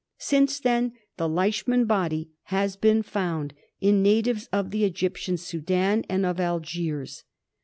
Since then the Leishman body has been found in natives of the Egyptian Soudan and of Algiers.